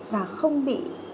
và không bị